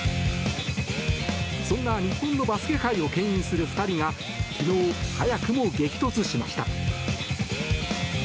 そんな日本のバスケ界を牽引する２人が昨日、早くも激突しました。